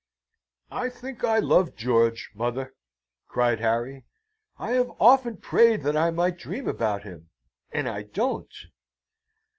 "I think I loved George, mother," cried Harry. "I have often prayed that I might dream about him, and I don't."